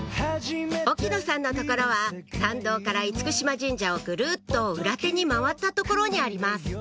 沖野さんの所は参道から嚴島神社をグルっと裏手に回った所にあります